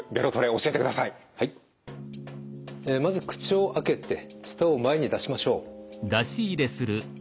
まず口を開けて舌を前に出しましょう。